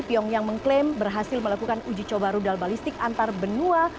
piong yang mengklaim berhasil melakukan uji coba rudal balistik antarbenua